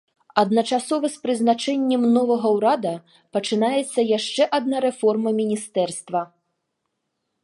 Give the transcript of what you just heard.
Адначасова з прызначэннем новага ўрада пачынаецца яшчэ адна рэформа міністэрства.